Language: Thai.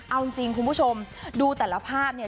เอาจริงคุณผู้ชมดูแต่ละภาพเนี่ย